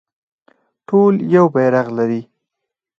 ټول یو بیرغ لري